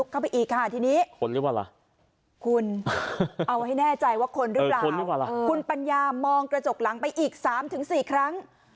คุณเอาให้แน่ใจว่าคนหรือเปล่าคุณปัญญามองกระจกหลังไปอีก๓๔ครั้ง